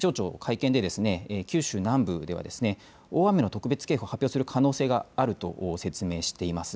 つまり雨も長時間、続くということで気象庁は会見で九州南部では大雨の特別警報を発表する可能性があると説明しています。